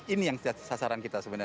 ini yang sasaran kita sebenarnya